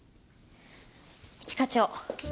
一課長。